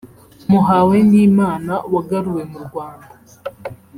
Muhawenimana wagaruwe mu Rwanda